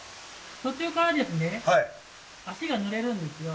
途中から足がぬれるんですよ。